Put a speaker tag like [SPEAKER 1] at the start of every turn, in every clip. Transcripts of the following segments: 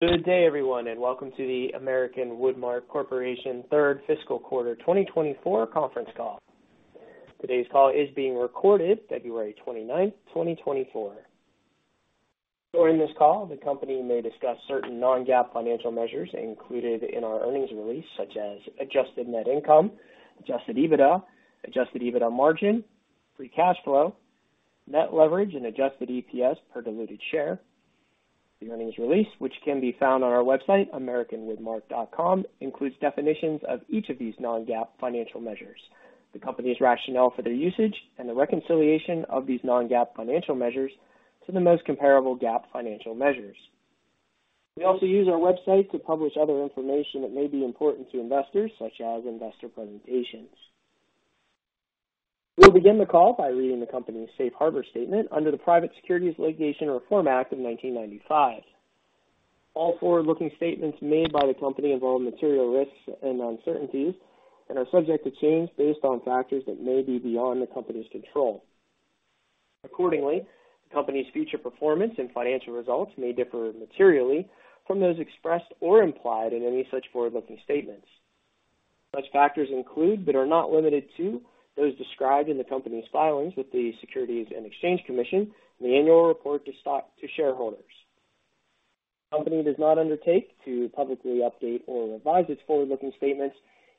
[SPEAKER 1] Good day, everyone, and welcome to the American Woodmark Corporation third fiscal quarter 2024 conference call. Today's call is being recorded. February 29th, 2024. During this call, the company may discuss certain non-GAAP financial measures included in our earnings release, such as adjusted net income, adjusted EBITDA, adjusted EBITDA margin, free cash flow, net leverage, and adjusted EPS per diluted share. The earnings release, which can be found on our website, americanwoodmark.com, includes definitions of each of these non-GAAP financial measures, the company's rationale for their usage, and the reconciliation of these non-GAAP financial measures to the most comparable GAAP financial measures. We also use our website to publish other information that may be important to investors, such as investor presentations. We'll begin the call by reading the company's safe harbor statement under the Private Securities Litigation Reform Act of 1995. All forward-looking statements made by the company involve material risks and uncertainties and are subject to change based on factors that may be beyond the company's control. Accordingly, the company's future performance and financial results may differ materially from those expressed or implied in any such forward-looking statements. Such factors include but are not limited to those described in the company's filings with the Securities and Exchange Commission and the annual report to shareholders. The company does not undertake to publicly update or revise its forward-looking statements,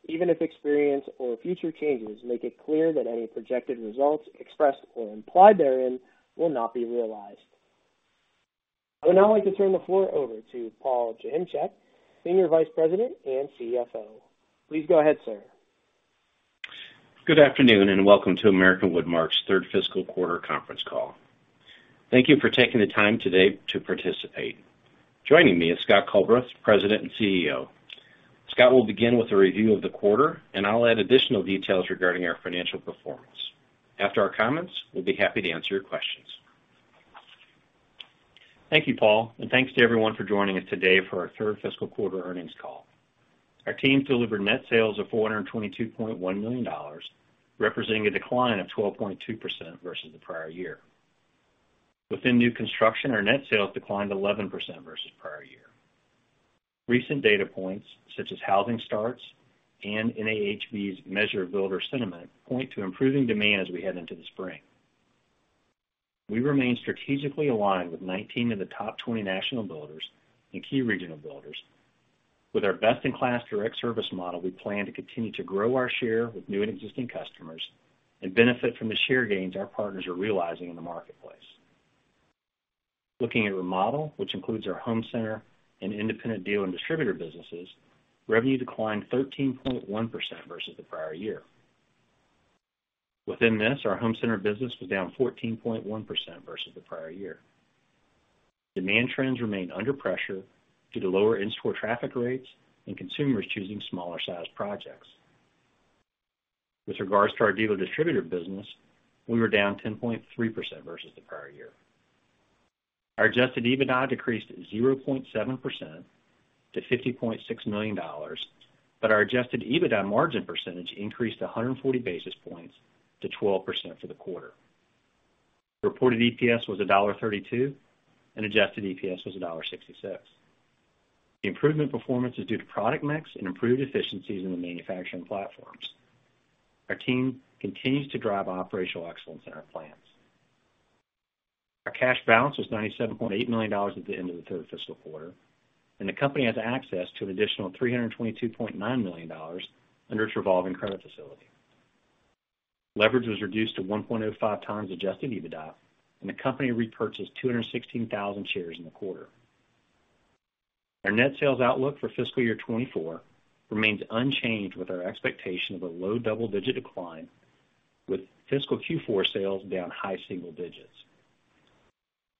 [SPEAKER 1] even if experience or future changes make it clear that any projected results expressed or implied therein will not be realized. I would now like to turn the floor over to Paul Joachimczyk, Senior Vice President and CFO. Please go ahead, sir.
[SPEAKER 2] Good afternoon and welcome to American Woodmark's third fiscal quarter conference call. Thank you for taking the time today to participate. Joining me is Scott Culbreth, President and CEO. Scott will begin with a review of the quarter, and I'll add additional details regarding our financial performance. After our comments, we'll be happy to answer your questions.
[SPEAKER 3] Thank you, Paul, and thanks to everyone for joining us today for our third fiscal quarter earnings call. Our teams delivered net sales of $422.1 million, representing a decline of 12.2% versus the prior year. Within new construction, our net sales declined 11% versus prior year. Recent data points, such as housing starts and NAHB's measure of builder sentiment, point to improving demand as we head into the spring. We remain strategically aligned with 19 of the top 20 national builders and key regional builders. With our best-in-class direct service model, we plan to continue to grow our share with new and existing customers and benefit from the share gains our partners are realizing in the marketplace. Looking at remodel, which includes our home center and independent dealer and distributor businesses, revenue declined 13.1% versus the prior year. Within this, our home center business was down 14.1% versus the prior year. Demand trends remain under pressure due to lower in-store traffic rates and consumers choosing smaller-sized projects. With regards to our dealer-distributor business, we were down 10.3% versus the prior year. Our Adjusted EBITDA decreased 0.7% to $50.6 million, but our Adjusted EBITDA margin percentage increased 140 basis points to 12% for the quarter. Reported EPS was $1.32, and Adjusted EPS was $1.66. The improvement performance is due to product mix and improved efficiencies in the manufacturing platforms. Our team continues to drive operational excellence in our plants. Our cash balance was $97.8 million at the end of the third fiscal quarter, and the company has access to an additional $322.9 million under its revolving credit facility. Leverage was reduced to 1.05x Adjusted EBITDA, and the company repurchased 216,000 shares in the quarter. Our net sales outlook for fiscal year 2024 remains unchanged with our expectation of a low double-digit decline, with fiscal Q4 sales down high single digits.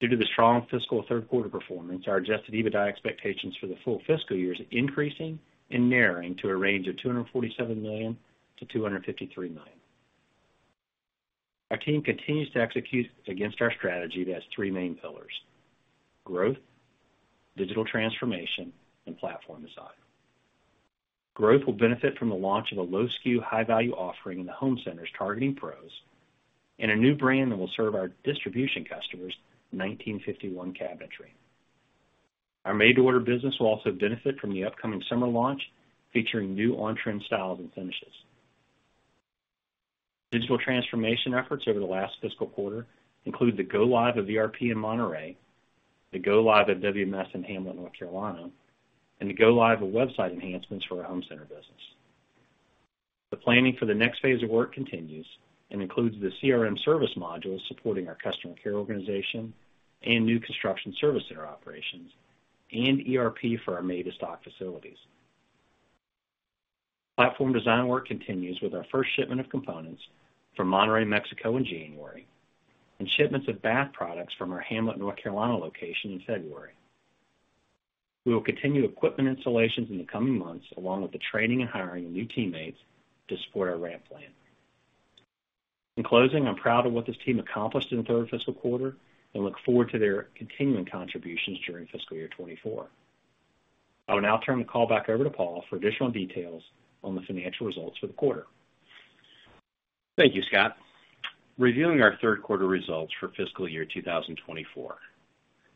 [SPEAKER 3] Due to the strong fiscal third quarter performance, our adjusted EBITDA expectations for the full fiscal year are increasing and narrowing to a range of $247 million-$253 million. Our team continues to execute against our strategy that has three main pillars: Growth, Digital transformation, and Platform design. Growth will benefit from the launch of a low-SKU, high-value offering in the home centers targeting pros and a new brand that will serve our distribution customers, 1951 Cabinetry. Our Made-to-Order business will also benefit from the upcoming summer launch featuring new on-trend styles and finishes. Digital transformation efforts over the last fiscal quarter include the go-live of ERP in Monterrey, the go-live of WMS in Hamlet, North Carolina, and the go-live of website enhancements for our home center business. The planning for the next phase of work continues and includes the CRM service module supporting our customer care organization and new construction service center operations, and ERP for our made-to-stock facilities. Platform design work continues with our first shipment of components from Monterrey, Mexico, in January and shipments of bath products from our Hamlet, North Carolina location in February. We will continue equipment installations in the coming months along with the training and hiring of new teammates to support our ramp plan. In closing, I'm proud of what this team accomplished in the third fiscal quarter and look forward to their continuing contributions during fiscal year 2024. I will now turn the call back over to Paul for additional details on the financial results for the quarter.
[SPEAKER 2] Thank you, Scott. Reviewing our third quarter results for fiscal year 2024: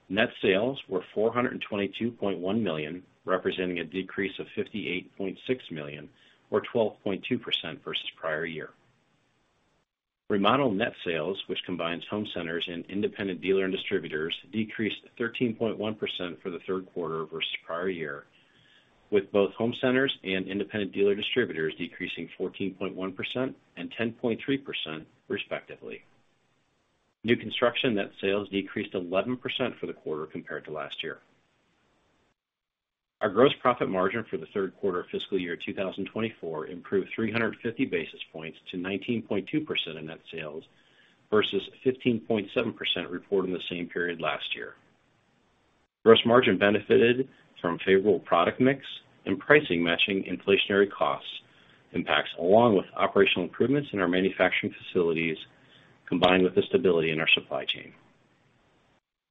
[SPEAKER 2] net sales were $422.1 million, representing a decrease of $58.6 million or 12.2% versus prior year. Remodel net sales, which combines home centers and independent dealer and distributors, decreased 13.1% for the third quarter versus prior year, with both home centers and independent dealer distributors decreasing 14.1% and 10.3%, respectively. New construction net sales decreased 11% for the quarter compared to last year. Our gross profit margin for the third quarter of fiscal year 2024 improved 350 basis points to 19.2% in net sales versus 15.7% reported in the same period last year. Gross margin benefited from favorable product mix and pricing matching inflationary costs impacts, along with operational improvements in our manufacturing facilities, combined with the stability in our supply chain.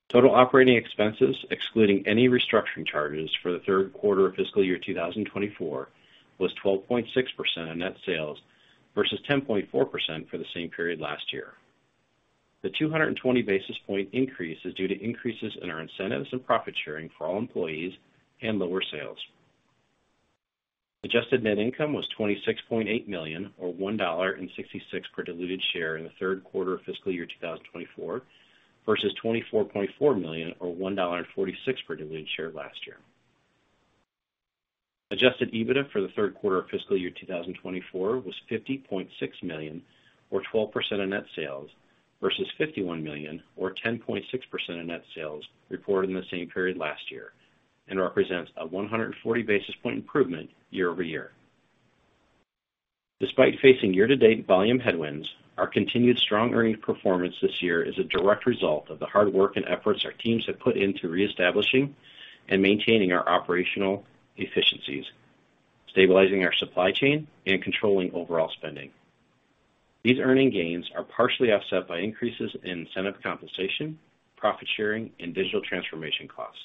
[SPEAKER 2] Total operating expenses, excluding any restructuring charges, for the third quarter of fiscal year 2024 was 12.6% in net sales versus 10.4% for the same period last year. The 220 basis point increase is due to increases in our incentives and profit sharing for all employees and lower sales. Adjusted net income was $26.8 million or $1.66 per diluted share in the third quarter of fiscal year 2024 versus $24.4 million or $1.46 per diluted share last year. Adjusted EBITDA for the third quarter of fiscal year 2024 was $50.6 million or 12% in net sales versus $51 million or 10.6% in net sales reported in the same period last year and represents a 140 basis point improvement year over year. Despite facing year-to-date volume headwinds, our continued strong earnings performance this year is a direct result of the hard work and efforts our teams have put into reestablishing and maintaining our operational efficiencies, stabilizing our supply chain, and controlling overall spending. These earning gains are partially offset by increases in incentive compensation, profit sharing, and digital transformation costs.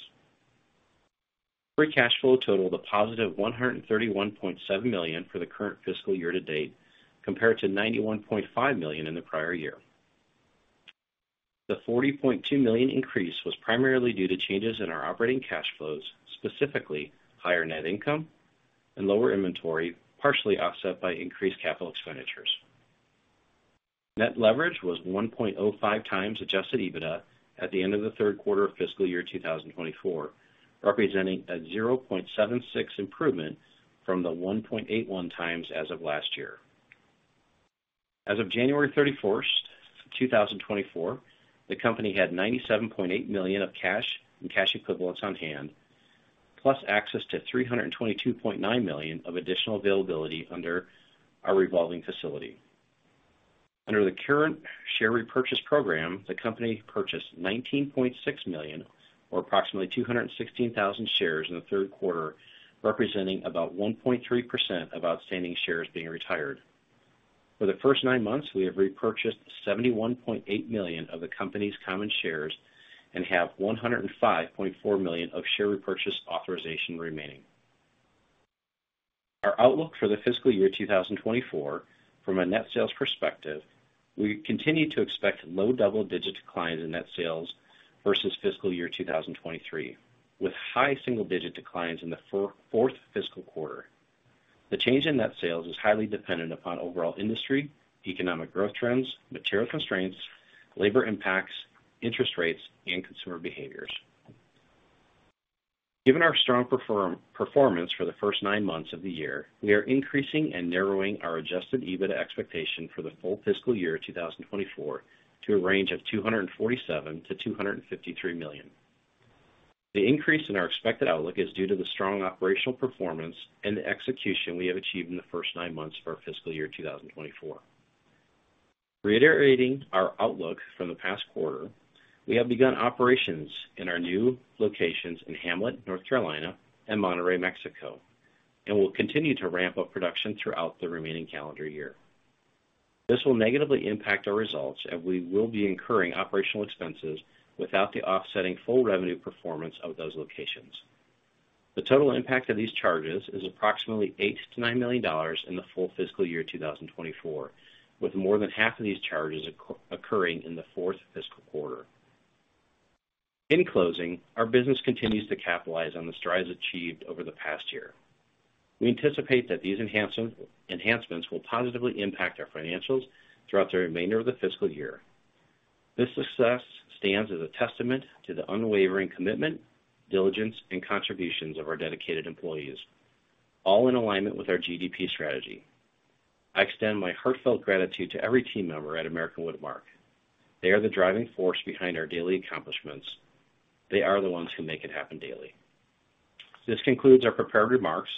[SPEAKER 2] Free Cash Flow totaled a positive $131.7 million for the current fiscal year to date, compared to $91.5 million in the prior year. The $40.2 million increase was primarily due to changes in our operating cash flows, specifically higher net income and lower inventory, partially offset by increased capital expenditures. Net Leverage was 1.05x Adjusted EBITDA at the end of the third quarter of fiscal year 2024, representing a 0.76 improvement from the 1.81x as of last year. As of January 31st, 2024, the company had $97.8 million of cash and cash equivalents on hand, plus access to $322.9 million of additional availability under our revolving facility. Under the current share repurchase program, the company purchased $19.6 million or approximately 216,000 shares in the third quarter, representing about 1.3% of outstanding shares being retired. For the first nine months, we have repurchased $71.8 million of the company's common shares and have $105.4 million of share repurchase authorization remaining. Our outlook for the fiscal year 2024, from a net sales perspective, we continue to expect low double-digit declines in net sales versus fiscal year 2023, with high single-digit declines in the fourth fiscal quarter. The change in net sales is highly dependent upon overall industry, economic growth trends, material constraints, labor impacts, interest rates, and consumer behaviors. Given our strong performance for the first nine months of the year, we are increasing and narrowing our Adjusted EBITDA expectation for the full fiscal year 2024 to a range of $247 million-$253 million. The increase in our expected outlook is due to the strong operational performance and the execution we have achieved in the first nine months of our fiscal year 2024. Reiterating our outlook from the past quarter, we have begun operations in our new locations in Hamlet, North Carolina, and Monterrey, Mexico, and will continue to ramp up production throughout the remaining calendar year. This will negatively impact our results, and we will be incurring operational expenses without the offsetting full revenue performance of those locations. The total impact of these charges is approximately $8 million-$9 million in the full fiscal year 2024, with more than half of these charges occurring in the fourth fiscal quarter. In closing, our business continues to capitalize on the strides achieved over the past year. We anticipate that these enhancements will positively impact our financials throughout the remainder of the fiscal year. This success stands as a testament to the unwavering commitment, diligence, and contributions of our dedicated employees, all in alignment with our GDP Strategy. I extend my heartfelt gratitude to every team member at American Woodmark. They are the driving force behind our daily accomplishments. They are the ones who make it happen daily. This concludes our prepared remarks.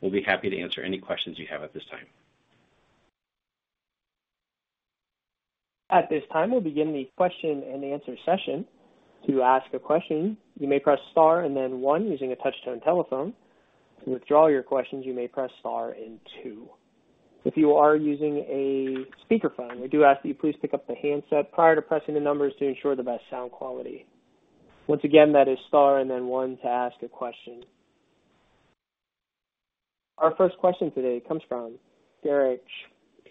[SPEAKER 2] We'll be happy to answer any questions you have at this time.
[SPEAKER 1] At this time, we'll begin the question and answer session. To ask a question, you may press star and then one using a touch-tone telephone. To withdraw your questions, you may press star and two. If you are using a speakerphone, we do ask that you please pick up the handset prior to pressing the numbers to ensure the best sound quality. Once again, that is star and then one to ask a question. Our first question today comes from Garik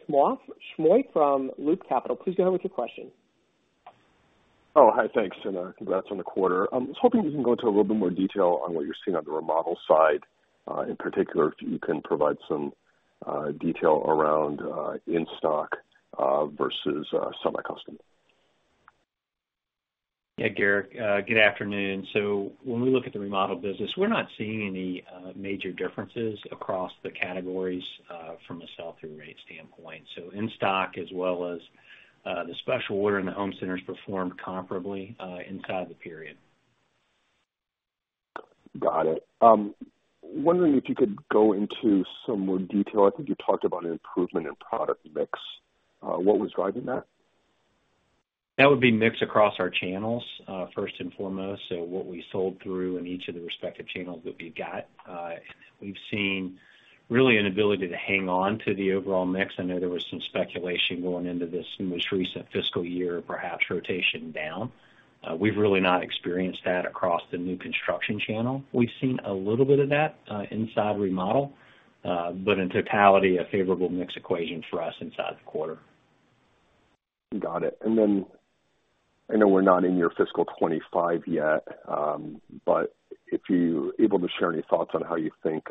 [SPEAKER 1] Shmois from Loop Capital. Please go ahead with your question.
[SPEAKER 4] Oh, hi. Thanks, and congrats on the quarter. I was hoping you can go into a little bit more detail on what you're seeing on the remodel side, in particular if you can provide some detail around in-stock versus semi-custom.
[SPEAKER 3] Yeah, Garik. Good afternoon. So when we look at the remodel business, we're not seeing any major differences across the categories from a sell-through rate standpoint. So in-stock as well as the special order and the home centers performed comparably inside the period.
[SPEAKER 4] Got it. Wondering if you could go into some more detail. I think you talked about an improvement in product mix. What was driving that?
[SPEAKER 3] That would be mix across our channels, first and foremost. So what we sold through in each of the respective channels that we've got. We've seen really an ability to hang on to the overall mix. I know there was some speculation going into this most recent fiscal year, perhaps rotation down. We've really not experienced that across the new construction channel. We've seen a little bit of that inside remodel, but in totality, a favorable mix equation for us inside the quarter.
[SPEAKER 4] Got it. And then I know we're not in your fiscal 2025 yet, but if you're able to share any thoughts on how you think,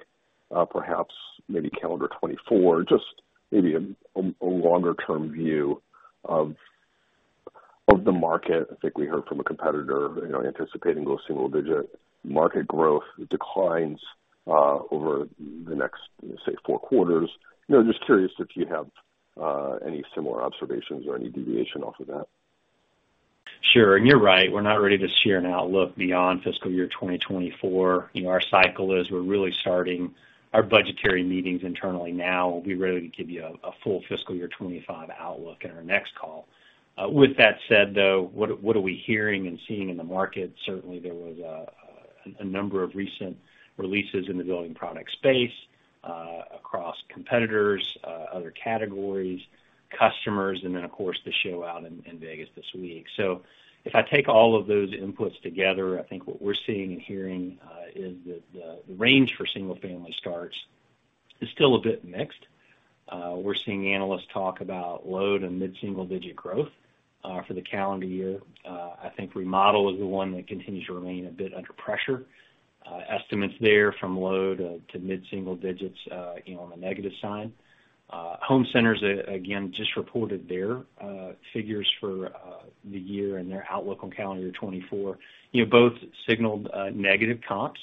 [SPEAKER 4] perhaps maybe calendar 2024, just maybe a longer-term view of the market. I think we heard from a competitor anticipating low single-digit market growth declines over the next, say, four quarters. Just curious if you have any similar observations or any deviation off of that.
[SPEAKER 3] Sure. And you're right. We're not ready to share an outlook beyond fiscal year 2024. Our cycle is we're really starting our budgetary meetings internally now. We'll be ready to give you a full fiscal year 2025 outlook in our next call. With that said, though, what are we hearing and seeing in the market? Certainly, there was a number of recent releases in the building product space across competitors, other categories, customers, and then, of course, the show out in Vegas this week. So if I take all of those inputs together, I think what we're seeing and hearing is that the range for single-family starts is still a bit mixed. We're seeing analysts talk about low to mid-single-digit growth for the calendar year. I think remodel is the one that continues to remain a bit under pressure. Estimates there from low to mid-single digits on the negative side. Home centers, again, just reported their figures for the year and their outlook on calendar year 2024. Both signaled negative comps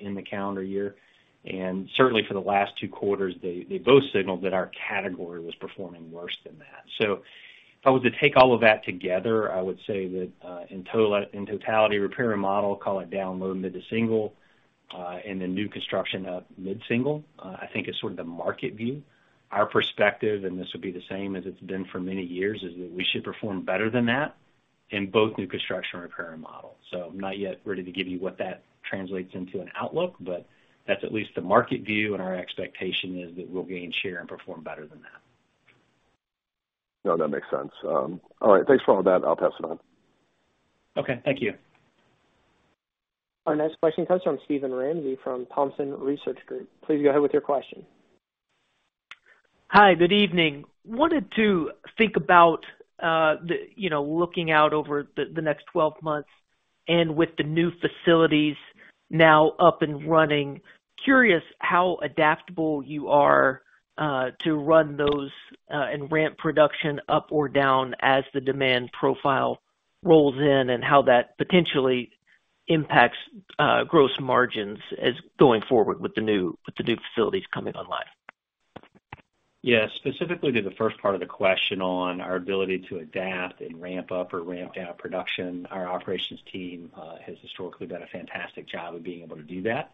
[SPEAKER 3] in the calendar year, and certainly for the last two quarters, they both signaled that our category was performing worse than that. So if I was to take all of that together, I would say that in totality, repair and remodel, call it down low mid to single, and then new construction up mid-single, I think is sort of the market view. Our perspective, and this would be the same as it's been for many years, is that we should perform better than that in both new construction, repair and remodel. So I'm not yet ready to give you what that translates into an outlook, but that's at least the market view, and our expectation is that we'll gain share and perform better than that.
[SPEAKER 4] No, that makes sense. All right. Thanks for all that. I'll pass it on.
[SPEAKER 3] Okay. Thank you.
[SPEAKER 1] Our next question comes from Steven Ramsey from Thompson Research Group. Please go ahead with your question.
[SPEAKER 5] Hi. Good evening. Wanted to think about looking out over the next 12 months and with the new facilities now up and running. Curious how adaptable you are to run those and ramp production up or down as the demand profile rolls in and how that potentially impacts gross margins going forward with the new facilities coming online.
[SPEAKER 3] Yeah. Specifically to the first part of the question on our ability to adapt and ramp up or ramp down production, our operations team has historically done a fantastic job of being able to do that.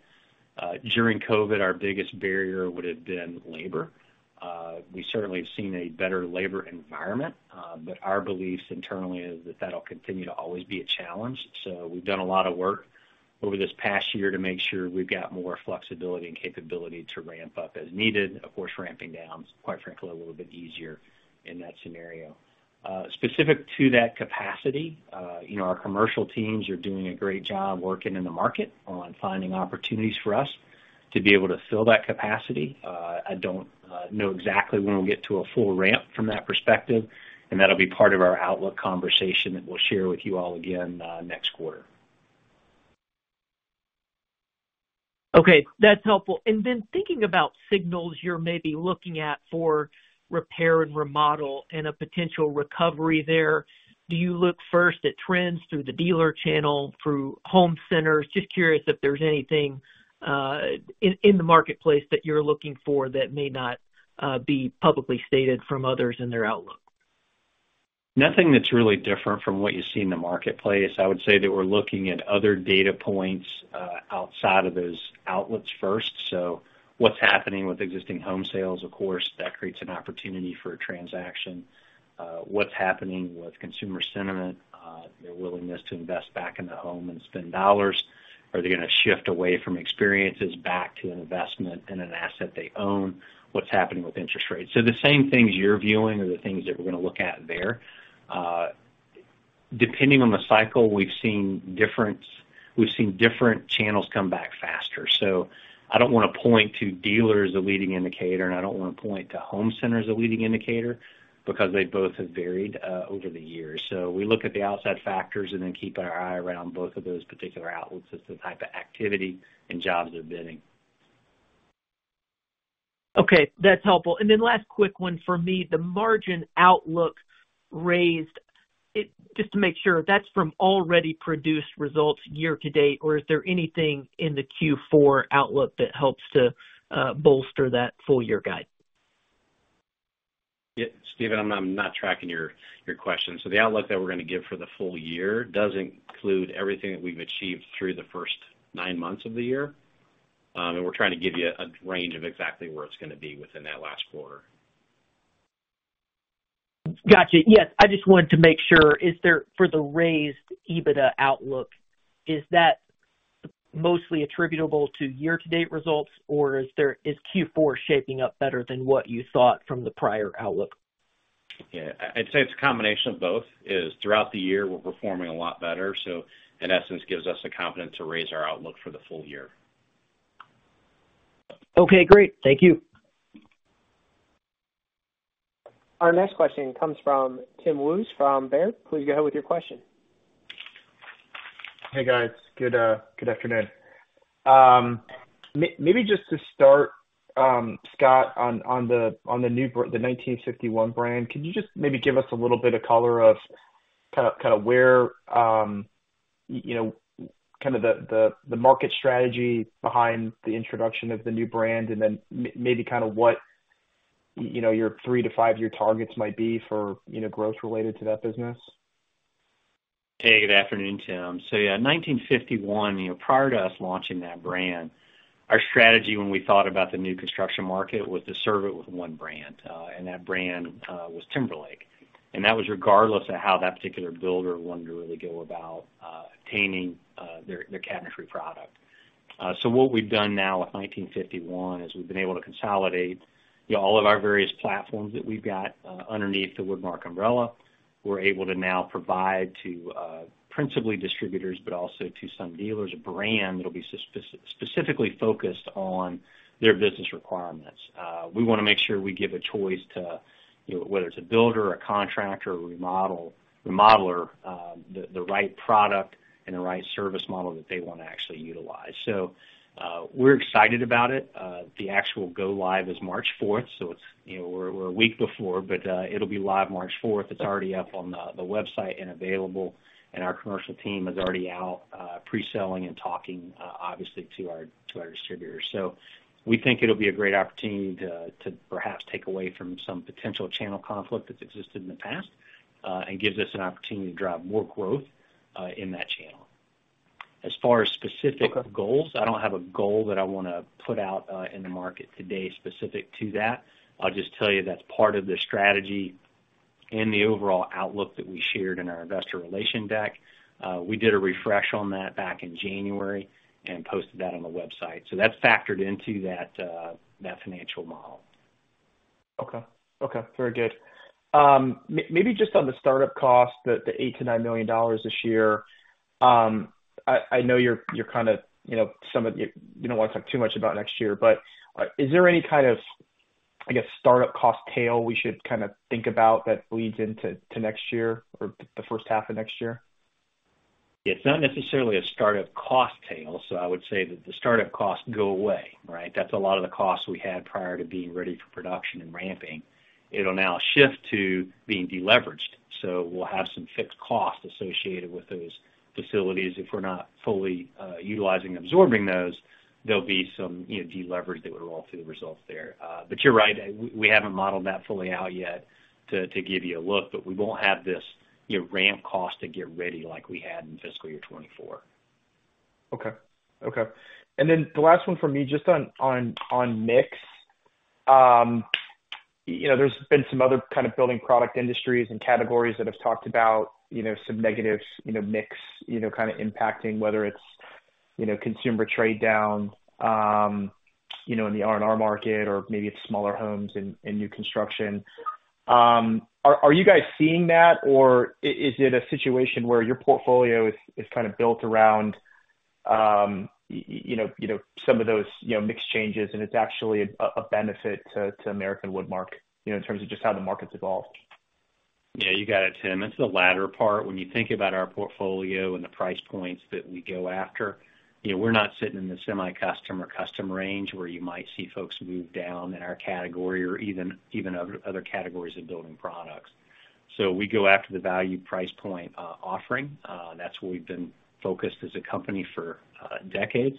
[SPEAKER 3] During COVID, our biggest barrier would have been labor. We certainly have seen a better labor environment, but our beliefs internally is that that'll continue to always be a challenge. So we've done a lot of work over this past year to make sure we've got more flexibility and capability to ramp up as needed. Of course, ramping down is, quite frankly, a little bit easier in that scenario. Specific to that capacity, our commercial teams are doing a great job working in the market on finding opportunities for us to be able to fill that capacity. I don't know exactly when we'll get to a full ramp from that perspective, and that'll be part of our outlook conversation that we'll share with you all again next quarter.
[SPEAKER 5] Okay. That's helpful. And then thinking about signals you're maybe looking at for repair and remodel and a potential recovery there, do you look first at trends through the dealer channel, through home centers? Just curious if there's anything in the marketplace that you're looking for that may not be publicly stated from others in their outlook?
[SPEAKER 3] Nothing that's really different from what you see in the marketplace. I would say that we're looking at other data points outside of those outlets first. So what's happening with existing home sales, of course, that creates an opportunity for a transaction. What's happening with consumer sentiment, their willingness to invest back in the home and spend dollars? Are they going to shift away from experiences back to an investment in an asset they own? What's happening with interest rates? So the same things you're viewing are the things that we're going to look at there. Depending on the cycle, we've seen different channels come back faster. So I don't want to point to dealers as a leading indicator, and I don't want to point to home centers as a leading indicator because they both have varied over the years. We look at the outside factors and then keep our eye around both of those particular outlets as to the type of activity and jobs they're bidding.
[SPEAKER 5] Okay. That's helpful. And then last quick one for me. The margin outlook raised, just to make sure, that's from already produced results year to date, or is there anything in the Q4 outlook that helps to bolster that full year guide?
[SPEAKER 3] Yeah. Steven, I'm not tracking your question. So the outlook that we're going to give for the full year doesn't include everything that we've achieved through the first nine months of the year, and we're trying to give you a range of exactly where it's going to be within that last quarter.
[SPEAKER 5] Gotcha. Yes. I just wanted to make sure, for the raised EBITDA outlook, is that mostly attributable to year-to-date results, or is Q4 shaping up better than what you thought from the prior outlook?
[SPEAKER 3] Yeah. I'd say it's a combination of both. Throughout the year, we're performing a lot better, so in essence, gives us the confidence to raise our outlook for the full year.
[SPEAKER 5] Okay. Great. Thank you.
[SPEAKER 1] Our next question comes from Tim Wojs from Baird. Please go ahead with your question.
[SPEAKER 6] Hey, guys. Good afternoon. Maybe just to start, Scott, on the 1951 brand, could you just maybe give us a little bit of color of kind of where kind of the market strategy behind the introduction of the new brand and then maybe kind of what your three to five-year targets might be for growth related to that business?
[SPEAKER 3] Hey, good afternoon, Tim. So yeah, 1951, prior to us launching that brand, our strategy when we thought about the new construction market was to serve it with one brand, and that brand was Timberlake. That was regardless of how that particular builder wanted to really go about obtaining their cabinetry product. So what we've done now with 1951 is we've been able to consolidate all of our various platforms that we've got underneath the Woodmark umbrella. We're able to now provide to principally distributors but also to some dealers a brand that'll be specifically focused on their business requirements. We want to make sure we give a choice to whether it's a builder, a contractor, or a remodeler the right product and the right service model that they want to actually utilize. So we're excited about it. The actual go-live is March 4th, so we're a week before, but it'll be live March 4th. It's already up on the website and available, and our commercial team is already out pre-selling and talking, obviously, to our distributors. So we think it'll be a great opportunity to perhaps take away from some potential channel conflict that's existed in the past and gives us an opportunity to drive more growth in that channel. As far as specific goals, I don't have a goal that I want to put out in the market today specific to that. I'll just tell you that's part of the strategy and the overall outlook that we shared in our investor relations deck. We did a refresh on that back in January and posted that on the website. So that's factored into that financial model.
[SPEAKER 6] Okay. Okay. Very good. Maybe just on the startup cost, the $8 million-$9 million this year, I know you're kind of some of you don't want to talk too much about next year, but is there any kind of, I guess, startup cost tail we should kind of think about that leads into next year or the first half of next year?
[SPEAKER 3] Yeah. It's not necessarily a startup cost tail, so I would say that the startup costs go away, right? That's a lot of the costs we had prior to being ready for production and ramping. It'll now shift to being deleveraged. So we'll have some fixed costs associated with those facilities. If we're not fully utilizing and absorbing those, there'll be some deleverage that would roll through the results there. But you're right. We haven't modeled that fully out yet to give you a look, but we won't have this ramp cost to get ready like we had in fiscal year 2024.
[SPEAKER 6] Okay. Okay. And then the last one for me, just on mix, there's been some other kind of building product industries and categories that have talked about some negative mix kind of impacting, whether it's consumer trade down in the R&R market or maybe it's smaller homes in new construction. Are you guys seeing that, or is it a situation where your portfolio is kind of built around some of those mixed changes, and it's actually a benefit to American Woodmark in terms of just how the market's evolved?
[SPEAKER 3] Yeah. You got it, Tim. That's the latter part. When you think about our portfolio and the price points that we go after, we're not sitting in the semi-custom or custom range where you might see folks move down in our category or even other categories of building products. So we go after the value price point offering. That's where we've been focused as a company for decades,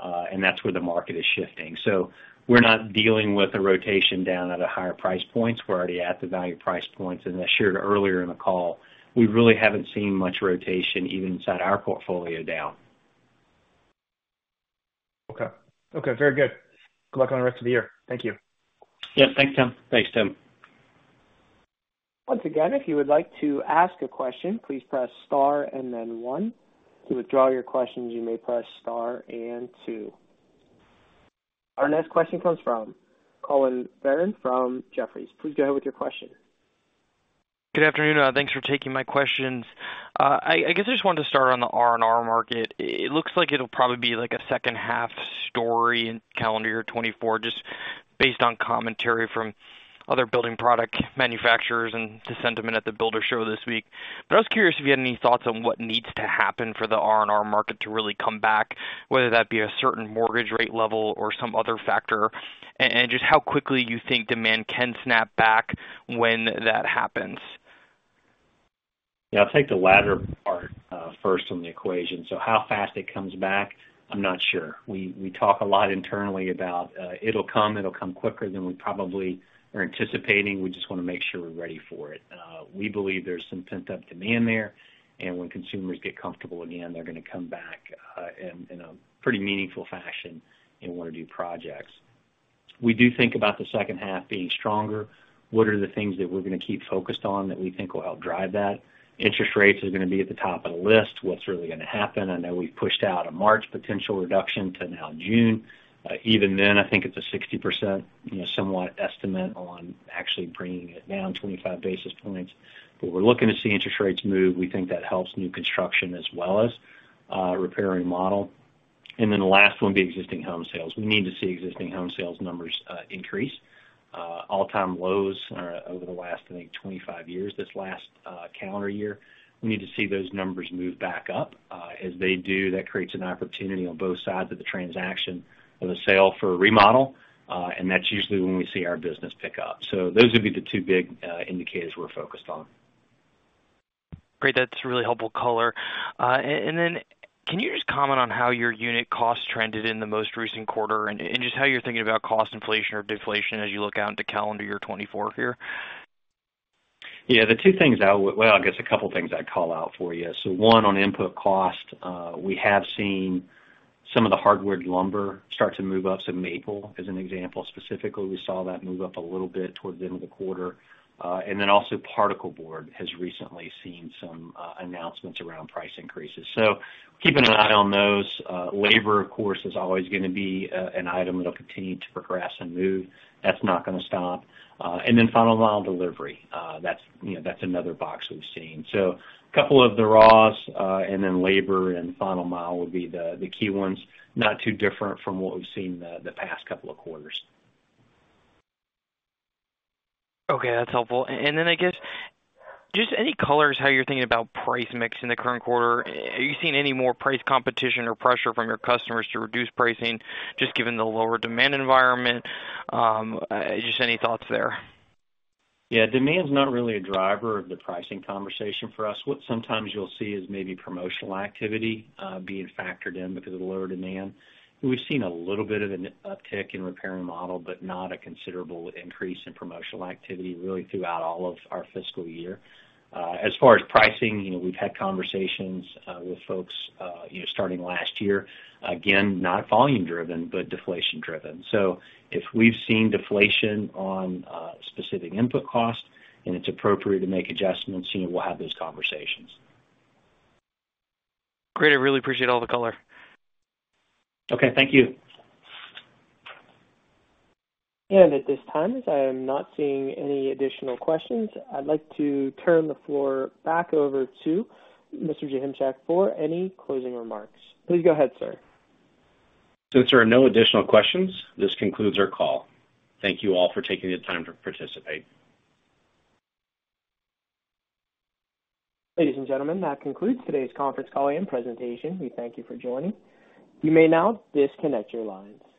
[SPEAKER 3] and that's where the market is shifting. So we're not dealing with a rotation down at a higher price points. We're already at the value price points. And as I shared earlier in the call, we really haven't seen much rotation even inside our portfolio down.
[SPEAKER 6] Okay. Okay. Very good. Good luck on the rest of the year. Thank you.
[SPEAKER 2] Yep. Thanks, Tim.
[SPEAKER 3] Thanks, Tim.
[SPEAKER 1] Once again, if you would like to ask a question, please press star and then one. To withdraw your questions, you may press star and two. Our next question comes from Collin Verron from Jefferies. Please go ahead with your question.
[SPEAKER 7] Good afternoon. Thanks for taking my questions. I guess I just wanted to start on the R&R market. It looks like it'll probably be a second-half story in calendar year 2024 just based on commentary from other building product manufacturers and the sentiment at the builder show this week. But I was curious if you had any thoughts on what needs to happen for the R&R market to really come back, whether that be a certain mortgage rate level or some other factor, and just how quickly you think demand can snap back when that happens.
[SPEAKER 3] Yeah. I'll take the latter part first in the equation. So how fast it comes back, I'm not sure. We talk a lot internally about it'll come. It'll come quicker than we probably are anticipating. We just want to make sure we're ready for it. We believe there's some pent-up demand there, and when consumers get comfortable again, they're going to come back in a pretty meaningful fashion and want to do projects. We do think about the second half being stronger. What are the things that we're going to keep focused on that we think will help drive that? Interest rates are going to be at the top of the list. What's really going to happen? I know we've pushed out a March potential reduction to now June. Even then, I think it's a 60% somewhat estimate on actually bringing it down 25 basis points. We're looking to see interest rates move. We think that helps new construction as well as repair and remodel. Then the last one would be existing home sales. We need to see existing home sales numbers increase. All-time lows over the last, I think, 25 years, this last calendar year. We need to see those numbers move back up. As they do, that creates an opportunity on both sides of the transaction of a sale for a remodel, and that's usually when we see our business pick up. Those would be the two big indicators we're focused on.
[SPEAKER 7] Great. That's really helpful color. And then can you just comment on how your unit cost trended in the most recent quarter and just how you're thinking about cost inflation or deflation as you look out into calendar year 2024 here?
[SPEAKER 3] Yeah. The two things I would well, I guess a couple of things I'd call out for you. So one, on input cost, we have seen some of the hardwood lumber start to move up. So maple as an example, specifically, we saw that move up a little bit towards the end of the quarter. And then also, particleboard has recently seen some announcements around price increases. So keeping an eye on those. Labor, of course, is always going to be an item that'll continue to progress and move. That's not going to stop. And then final mile delivery, that's another box we've seen. So a couple of the raws and then labor and final mile would be the key ones, not too different from what we've seen the past couple of quarters.
[SPEAKER 7] Okay. That's helpful. And then I guess just any colors, how you're thinking about price mix in the current quarter? Are you seeing any more price competition or pressure from your customers to reduce pricing just given the lower demand environment? Just any thoughts there?
[SPEAKER 3] Yeah. Demand's not really a driver of the pricing conversation for us. What sometimes you'll see is maybe promotional activity being factored in because of the lower demand. We've seen a little bit of an uptick in Repair and Remodel but not a considerable increase in promotional activity really throughout all of our fiscal year. As far as pricing, we've had conversations with folks starting last year. Again, not volume-driven but deflation-driven. So if we've seen deflation on specific input cost and it's appropriate to make adjustments, we'll have those conversations.
[SPEAKER 7] Great. I really appreciate all the color.
[SPEAKER 3] Okay. Thank you.
[SPEAKER 1] At this time, as I am not seeing any additional questions, I'd like to turn the floor back over to Mr. Joachimczyk for any closing remarks. Please go ahead, sir.
[SPEAKER 2] If there are no additional questions, this concludes our call. Thank you all for taking the time to participate.
[SPEAKER 1] Ladies and gentlemen, that concludes today's conference call and presentation. We thank you for joining. You may now disconnect your lines.